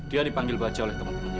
dia dipanggil baja oleh teman temannya